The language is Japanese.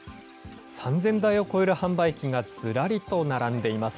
３０００台を超える販売機がずらりと並んでいます。